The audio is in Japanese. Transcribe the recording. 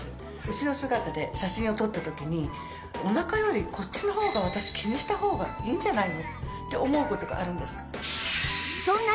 後ろ姿で写真を撮った時にお腹よりこっちの方が私気にした方がいいんじゃないのって思う事があるんです。